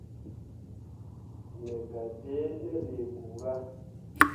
Me gah ɗǝǝne lii kpura.